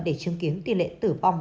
để chứng kiến tỷ lệ tử bong